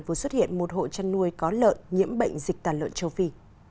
vừa xuất hiện một hộ chăn nuôi có lợn nhiễm bệnh dịch tàn lợn châu phi